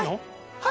はい。